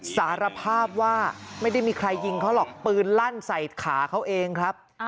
สารภาพว่าไม่ได้มีใครยิงเขาหรอกปืนลั่นใส่ขาเขาเองครับ